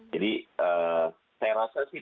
jadi saya rasa sih